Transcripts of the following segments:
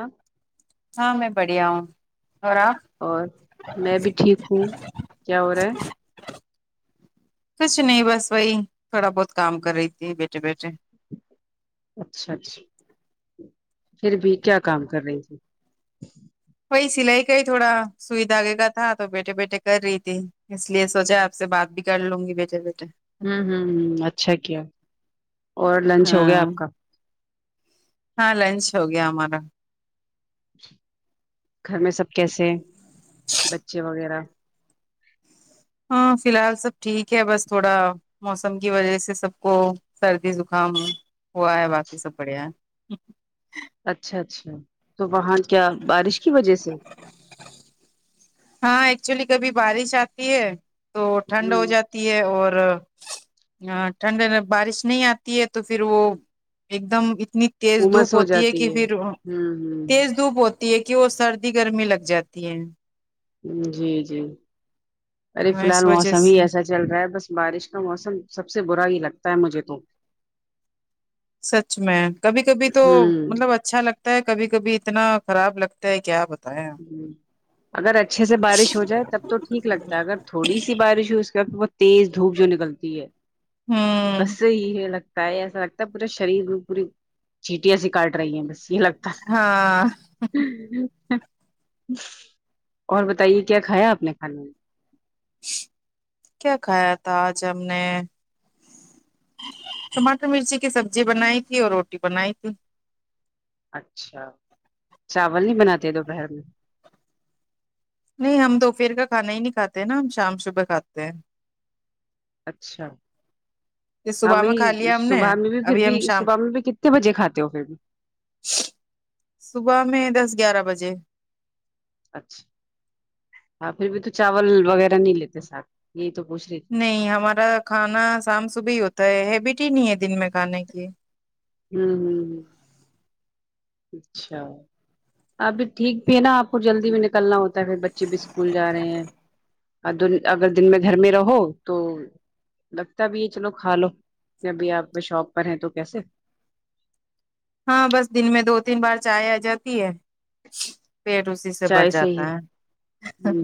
ہ ہاں میں بڑھیا ہوں اور آپ اور میں بھی ٹھیک ہوں کیا ہو رہ ہے کچھ نہیں بس وہی تھوڑا بہت کام کر رہی تھی بیٹے بیٹھے اچھا اچھا پھر بھی کیا کام کر رہی تھی وہی سلائی کا ہی تھوڑا سوئی دھاگے کا تھا تو بیٹے بیٹھے کر رہی تھی اس لیے سوچا آپ سے بات بھی کر لوں گی بیٹے بیٹے ہوں ہوں ہ اچھا کیا اور لنچ ہو گیا ہاں آپ کا ہاں لنچ ہو گیا ہمارا گھر میں سب کیسے بچے وغیرہ ہاں فی الحال سب ٹھیک ہے بس تھوڑا موسم کی وجہ سے سب کو سردی زکام ہوا ہے باقی سب بڑھیا ہے اچھا اچھا تو وہاں کیا بارش کی وجہ سے ہاں ایکچولی کبھی بارش آتی ہے تو ٹھنڈ ہوں ہو جاتی اور ٹھنڈ بارش نہیں آتی ہے تو پھر وہ ایک دم اتنی تیز دھوپ امس ہو ہوتی ہے جاتی کی پھر ہوں تیز دھوپ ہوتی تی ہے کی وہ سردی گرمی لگ جاتی ہے جی جی ارے فی الحال اس وجہ موسم ہی سے ایسا چل رہا ہے بس بارش کا موسم سب سے برا ہی لگتا ہے مجھے تو سچ میں کبھی کبھی تو ہوں مطلب اچا اچھا لگتا ہے کبھی کبھی اتنا خراب لگتا ہے کیا بتا اگر اچھے سے بارش ہو جائے تب تو ٹھیک لگ تا ہےاگر تھوڑی سی بارش ہوئی اس کے توبعد تیز دھوپ جو نکلتی ہے ہمم بس یہی لگتا ہے ایسا لگتا ہے پورا شریر پوری چیٹیاں سی کاٹ رہی ہیں بس یے لگ ہاں [unintelligible] ہ ہ ہ اور بتائیے کیا کھایا آپ نے کھانے میں کیا کھایا تھا آج ہم نے ٹماٹر مرچی کی سبزی بنائی تھی اور روٹی بنائی تھی اچھا چاول نہیں بناتے دوپہر میں نہیں ہم دوپہر کا کھانا ہی نہیں کاتے ہیں نا ہم شام صبح کھاتے ہیں اچھا یہ ہاں صبح میں کھا وہی لیا ہم نے صبح میں بھی پھر ابھی بھی ہم شام صبح میں بھی کتنے بجے کھاتے ہو پھر بھی صبح میں دس گیارہ بجے اچھا ہاں پھر بھی تو چاول وغیرہ نہیں لیتے سات یے تو پوچ رہی نہیں ہمارا کھانا شام صبح ہی ہوتا ہے ہیبٹ ہی نہیں ہے دن میں کھانے کی ہمم ہمم ہمم اچھا اب بھی ٹھیک بھی ہے نا آپ کو جلدی بھی نکلنا ہوتا ہے پھر بچچے بھی اسکول جا رہے ہیں ادون اگر دن میں گھر میں رہو تو لگتا ہے بھی یے چلو کھا لو ابھی آپ شاپ پر ہیں تو کیسے ہاں بس دن میں دو تین بار چائے آ جاتی ہے پیٹ اس سے بھر چائے جاتا ہی ہے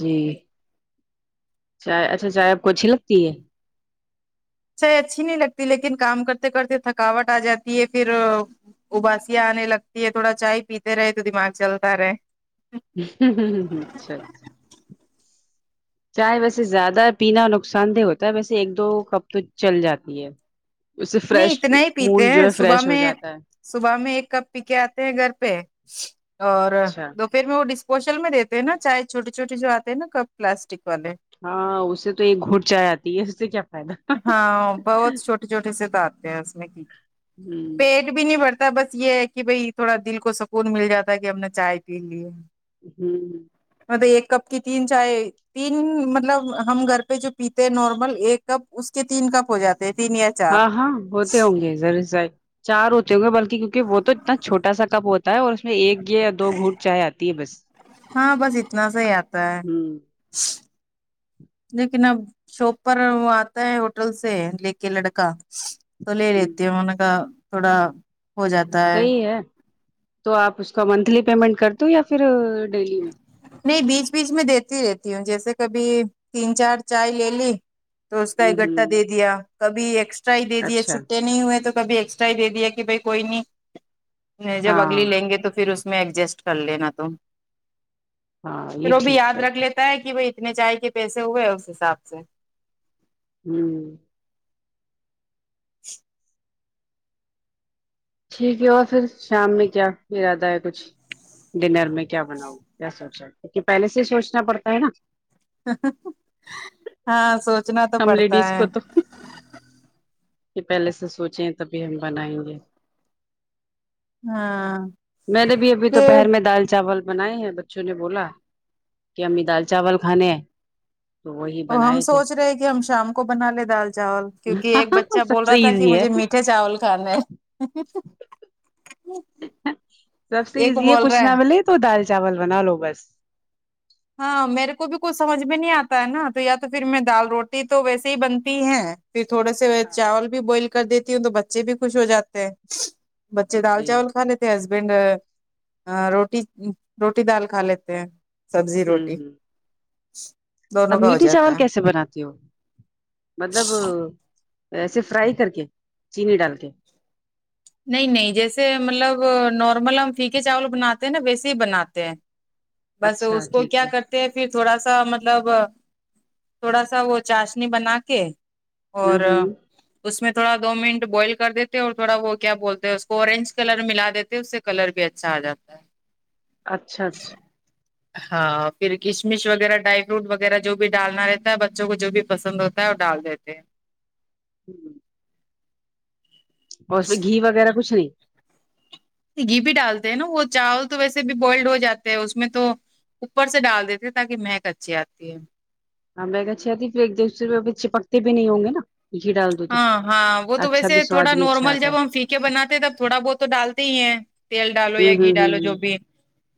جی چائے اچھا چائے آپ کو اچھی لگتی ہے چائی اچھی نہیں لگتی لیکن کام کرتے کرتے تھکاوٹ آ جاتی ہے پھر اباسیاں آنے لگتی ہے تھوڑا چائے پیتے رہے تو دماغ چلتا رہے اچھا اچھا چائے ویسے زیادہ پینا نقصان دہ ہوتا ہے ویسے ایک دو کپ تو چل جاتی ہے اس سے نہیں فریش اتنا ہی پیتے موڈ جو ہیں ہے صبح فریش ہو میں جاتا ہے صبح میں ایک کپ پی کے آتے ہیں گھر پے اور اچھا دو پھر میں وہ ڈسپوزل میں دیتے ہیں نا چاہے چھوٹی چھوٹے جو آتے نا کپ پلاسٹک والے ہاں اسے تو ایک گھٹ چائے آتی ہے اس سے کیا فائدہ ہاں بہت چھوٹے چھوٹے سے سیت آتے ہیں اس میں کی ہمم پیٹ بھی نہیں بڑتا بس یے ہے کی بھائی تھوڑا دل کو سکون مل جاتا ہے کی ہم نے چائے پی لی ہے ہمم مطلب ایک کپ کی تین چائے تین مطلب ہم گھر پے جو پیتے ہیں نارمل ایک کپ اس کے تین کپ ہو جاتے ہیں تین یا چار ہاں ہاں ہوتے ہوں گے ضرور چار ہوتے ہوں گے بلکی کیونکہ وہ تو اتنا چھوٹا سا کپ ہوتا ہے اور اس میں ایک گ یا دو گھوٹ چائے آتی ہے بس ہاں بس اتنا سا ہی آتا ہے ہوں لیکن اب شاپ پر وہ آتا ہے ہوٹل سے لے کے لڑکا تو لے ہوں لیتے ہیں ان کا تھوڑا ہو جاتا صحیح ہے تو آپ اس کا منتھلی پیمنٹ کرتے ہو یا پھر ڈیلی میں نہیں بیچ بیچ میں دیتی رہتی ہوں جیسے کبھی تین چار چائے لے لی تو اس کا ہ اکٹھا ہ دے دیا کبھی ایکسٹرا ہی دے دیا اچھا چھٹے نہیں ہوئے تو کبھی ایکسٹرا ہی دے دیا کہ بھئی کوئی نہیں جب اگلی ہاں لیں گے تو پھر اس اس میں ایڈجسٹ کر لینا تم ہاں پھر یہ وہ بھی ٹھیک یاد ہے رکھ لیتا ہے کہ بھئی اتنے چائے کے پیسے ہوئے اس حساب سے ہمم [inaudible] ٹھیک ہے اور پھر شام میں کیا ارادہ ہے کچھ ڈنر میں کیا بناؤ کیا سوچا کیونکی پہلے سے ہی سوچنا پڑتا ہے نا ہاں سوچنا تو ہم پڑتا لیڈیز ہے یے پہلے سے سوچیں تبھی ہم بنائیں گے ہاں میں نے بھی ابھی تو پھر دوپہر میں دال چاول بنائے ہیں بچوں نے بولا کہ امی دال چاول کھانے ہیں تو وہی اور ہم بنائے تھے سوچ رہے ہیں کہ ہم شام کو بنا لے دال چاول کیونکی ایک بچہ سب بول سے رہا تھا کی ایزی ہے مجھے میٹھے چاول کھانے ہے سب سے ایک ایزی ہے بول کچھ رہا نہ ملے تو دال چاول بنالو بس ہاں میرے کو بھی کچھ سمجھ میں نہیں آتا ہے ناں تو یا تو پھر میں دال روٹی تو ویسے ہی بنتی ہے پھر تھوڑے سے چاول بھی بوائل کر دیتی ہوں تو بچے بھی خوش ہو جاتے ہیں بچے دال جی چاول کھا لے تے ہے ہسبینڈ روٹی روٹی دال کھا لیتے ہیں سبزی ہوں روٹی ہوں دونوں اب کا ہو میٹھے جاتا چاول ہے کیسے بناتی ہو مطلب ایسے فرائی کرکے چینی ڈال کے نہیں نہیں جیسے مطلب نارمل ہم پھیکے چاول بناتے ہیں ناں ویسے ہی بناتے ہیں بس اچھا اس کو ٹھیک کیا ہے کرتے تے ہیں پھر تھوڑا سا مطلب تھوڑا سا وہ چاشنی بنا کے ہوں اور ہوں اس میں تھوڑا دو منٹ بوائل کر دیتے اور تھوڑا وہ کیا بولتے ہیں اس کو اوررینج کلر ملا دیتے ہیں اس سے کلر بھی اچھا آ جاتا ہے اچھا اچھا ہاں پھر کشمش وغیرہ ڈرائی فروٹ وغیرہ جو بھی ڈالنا رہتا ہے بچوں کو جو بھی پسند ہوتا ڈال دیتے ہیں ہمم اور اس میں گھی وغیرہ کچھ نہیں گھی بھی ڈالتے ہیں نا وہ چاول تو ویسے بھی بوائلڈ ہو جاتے ہے اس میں تو اوپر سے ڈال دیتی ہوں تاکی مہک اچھی آتی ہے ہاں مہک اچھی آتی پھر ایک دسرے پے چپکتے بھی نہیں ہوں گے نا گھی ڈال دو تو ہاں ہاں وہ تو اچھا ویسے بھی تھوڑا سواد بھی اچھا نارمل آتا ہے جب ہم فی کے بناتے تب تھوڑا بہت تو ڈالتے ہی ہیں تیل ڈالو یا ہوں گھی ہوں ڈالو جو ہوں ہ بھی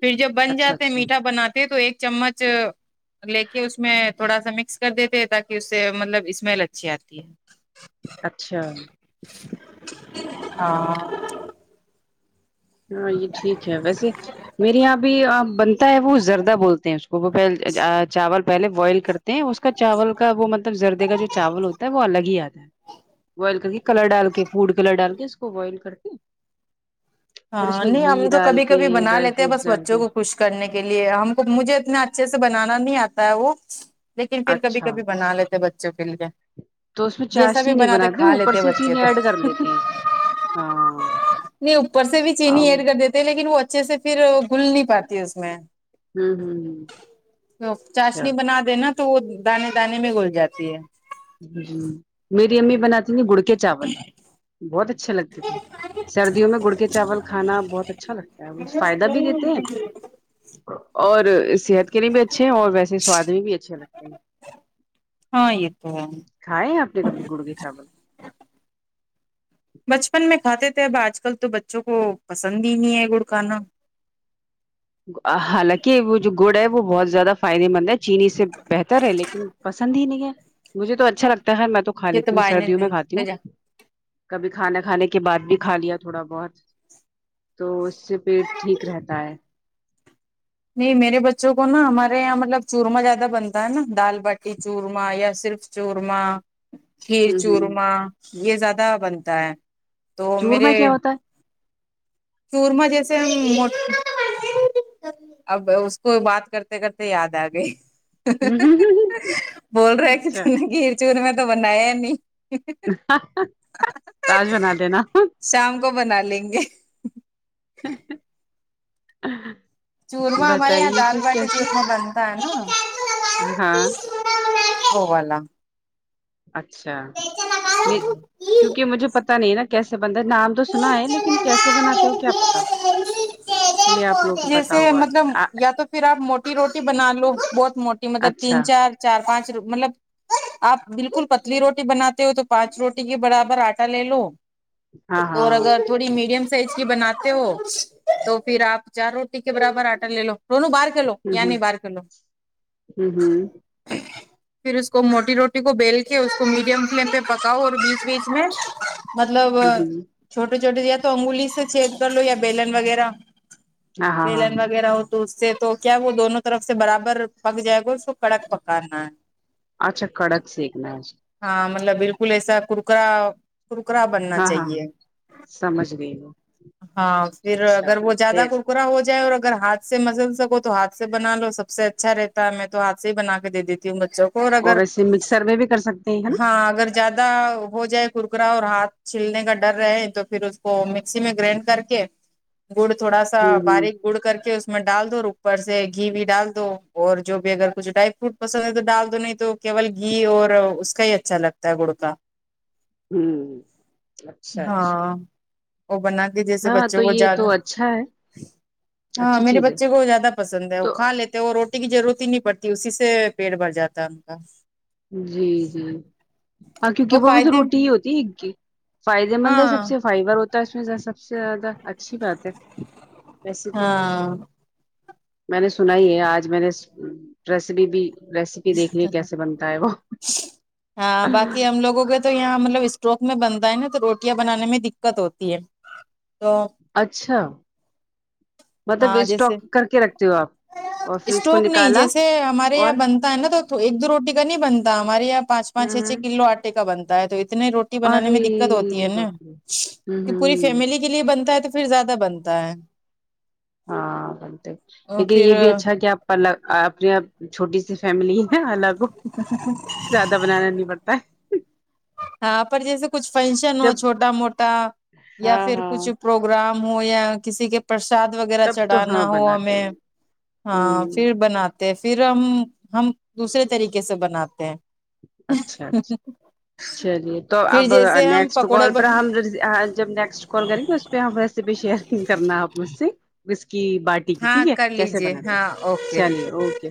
پھر جب بن اچھا جاتے اچھا میٹھا بناتے تو ایک چمچ لے کے اس میں تھوڑا سا مکس کر دیتے تاکی اس سے مطلب اسمیل اچھی آتی ہے اچھا ہاں ہاں یے ٹھیک ہے ویسے میرے یہاں بھی آپ بن تا ہے وہ زردہ بولتے ہیں اس کو وہ پہل چاول پہلے بوائل کرتے ہیں اس کا چاول کا وہ مطلب زردے کا جو چاول ہوتا ہے وہ الگ ہی آتا ہے بوائل کر کے کلر ڈال کے فوڈ کلر ڈال کے اس کو بوائل کرتے ہیں ہاں نہیں ہم تو ڈال کبھی کے کبھی بنا ڈرائی لیتے ہیں فروٹس بس ڈال بچوں کے کو خوش کرنے کے لیے ہم کو مجھے اتنا اچھے سے بنانا نہیں آتا ہے وہ لیکن پھر کبھی اچھا کبھی بنا لیتے بچوں کے لیے تو اس میں جیسا بھی چاشنی نہیں بناتے کھا اوپر لیتے سے بچے چینی تو ایڈ کر لیتے ہیں ہاں نہیں اوپر سے بھی آ چینی ہوں ایڈ کر دیتے ہیں لیکن وہ اچھے سے پھر گھل نہیں پاتی ہے اس میں ہوں ہوں وہ چاشنی اچھا بنا دینا تو وہ دانے دانے میں گھل جاتی ہے جی میری امی بناتی ن گڑ کے چاول بہت اچھا لگتا سردیوں میں گڑ کے چاول کھانا بہت اچھا لگتا ہے وہ فائدہ بھی دیتے ہیں اور صحت کے لیے بھی اچھے ہیں اور ویسے سواد بھی بھی اچھے لگتے ہیں ہاں یے تو ہے کھائے آپ نے کبھی گوڑ کے چاول بچپن میں کھاتے تھے اب آج کل تو بچوں کو پسند ہی نہیں ہے گڑ کھانا حالانکہ وہ جو گڑ ہے وہ بہت زیادہ فائدے مند ہے چینی سے بہتر ہے لیکن پسند ہی نہیں ہے مجھے تو اچھا لگتا ہے میں تو کھا یہ لیتی ہوں باہر نہیں سردیوں میں تیری کھاتی لے ہوں جا کبھی کھانا کھانے کے بعد بھی کھا لیا تھوڑا بہت تو اس سے پیٹ ٹھیک رہتا ہے نہیں میرے بچوں کو نا ہمارے یہاں مطلب چورمہ زیادہ بنتا ہے نا دال باٹی چورمہ یا صرف چورمہ کھیر ہ ہ چورما یے زیادہ بنتا ہے تو چورمہ میرے کیا ہوتا ہے چورمہ جیسے ہم اب اس کو بات کرتے کرتے یاد آ گئی ہے بول رہا کی اچھا تم نے کھیر چورمہ تو بنایا نہیں تو آج بنا دینا شام کو بنا لیں گے [inaudible] [unintelligible] چورمہ ہمارے یہاں بتائیے دال پھر باٹی کیسے چورمہ بنتا ہے نا ہاں وہ والا اچھا کیونکی مجھے پتا نہیں نا کیسے بنتا ہے نام تو سنا ہے لیکن کیسے بناتے ہو کیا پتا ابھی آپ لوگوں کو پتا جیسے ہوگا مطلب یا تو پھر آپ موٹی روٹی بنا لو بہت موٹی مطلب اچھا تین چار چار پانچ مطلب آپ بالکل پتلی روٹی بناتے ہو تو پانچ روٹی کے برابر آٹا لے لو ہاں اور ہاں اگر تھوڑی میڈیم سائز کی بناتے ہو تو پھر آپ چار روٹی کے برابر آٹا لے لو دونو باہر کھیلوں ہ یہاں نہیں باہر کھیلوں ہ ہ ہ پھر اس کو موٹی روٹی کو بیل کے اس کو میڈیم فلیم پے پکاؤ اور بیچ بیچ میں مطلب ہ چھوٹے چھوٹے یا تو انگولی سے چھیڑ کر لو یا بیلن وغیرہ ہاں ہاں ہاں بیلن ہاں۔ وغیرہ ہو تو اس سے تو کیا وہ دونوں طرف سے برابر پک جائے گا اس کو کڑک پکانا ہے اچھا کڑک سیکھنا ہے اسکو ہاں مطلب بالکل ایسا کرکرا کرکرا بننا کو۔ ہاں ہاں ہاں چاہیے سمجھ گئی میں ہاں پھر اگر وہ زیادہ کرکرا ہو جائے اور اگر ہاتھ سے مسل سکو تو ہاتھ سے بنا لو سب سے اچھا رہتا ہے میں تو ہاتھ سے ہی بنا کے دے دیتی ہوں بچوں کو اور ویسے مکسر میں بھی کر سکتے ہیں نا ہاں اگر زیادہ ہو جائے کرکرا اور ہاتھ چھلنے کا ڈر رہے تو پھر اس کو مکسی میں گرانڈ کر کے گڑ تھوڑا سا ہ ہ باریک اڑ کر کے اس میں ڈال دو اور اوپر سے گھی بھی ڈال دو اور جو بھی اگر کچھ ڈرائی فروٹ پسند ہے تو دال دو نہیں تو کیول گھی اور اس کا ہی اچھا لگتا ہے گڑ کا ھمم اچھا اچھا ہاں وہ بنا کے جیسے ہاں تو بچوں کو یہ زیادہ تو اچھا ہے ہاں اچھی میرے چیز ہے بچے کو زیادہ پسند ہے وہ تو کھا لیتے تو وہ روٹی کی ضرورت ہی نہیں پڑتی اسی سے پیٹ بھر جاتا ہے ان کا جی جی ہاں کیونکہ وہ بھی تو روٹی ہی ہوتی ہے ایک کی فائدے مند ہے سب ہاں سے فائبر ہوتا ہے اس میں سب سے زیادہ اچھی بات ہے ویسے تو ہاں میں نے سنا ہی ہے آج میں نے ریسیپی بھی ریسیپی دیکھ لی کیسے بن ہاں باقی ہم لوگوں کو تو یہاں مطلب اسٹروک میں بنتا ہے نا تو روٹیاں بنانے میں دککت ہوتی ہے تو اچھا مطلب ہاں جیسے اسٹاک کر کے رکھتے ہو آپ اور پھر اس کو اسٹوک نہیں نکالا جیسے ہمارے یہاں اور بنتا ہے نا تو ایک دو روٹی کا نہیں بنتا ہمارے یہاں پانچ ہ پانچ چھ چھ کلو آٹے کا بنتا ہے تو اتنے روٹی بنانے میں دککت ہوتی ہے ارے نا باپ رے ہوں تو پوری ہوں فیملی کے لیے بنتا ہے تو پھر زیادہ بنتا ہے ہاں بنتے اور لیکہ پھر یہ بھی اچھا ہے کہ آپ اپنی چھوٹی سی فیملی الگ ہو زیادہ بنانا نہیں پڑتا ہے ہاں پر جیسے کچھ فنکشن ہو جب چھوٹا موٹا یا ہاں پھر کچھ ہاں پروگرام ہو یا کسی کے پرساد وغیرہ تب تو ہاں چڑھانا ہو بناتے ہمیں ہیں ہاں ہ پھر بناتے پھر ہم ہم دوسرے طریقے سے بناتے اچھا ہیں اچھا [inaudible] چلیے تو پھر اب جیسے ہم نیکسٹ پکوڑے کال ب... پر ہم جب نیکسٹ کال کریں گے اس پہ آپ ریسیپی شیئر کرنا آپ مجھ سے اس کی باٹی کی ہاں ٹھیک ہے کر کیسے لیجیے بناتے ہاں اوکے چلیے اوکے